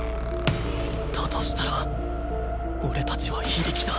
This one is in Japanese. だとしたら俺たちは非力だ